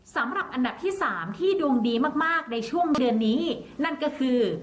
สำหรับอันดับที่สามที่ดวงดีมากในช่วงเดือนนี้นั่นก็คือ